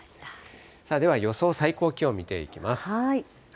では予想最高気温見ていきます。